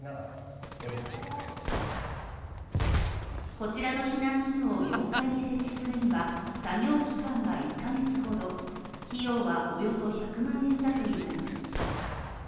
こちらの避難器具を４階に設置するには、作業期間が１ヶ月ほど費用はおよそ１００万円だといいます。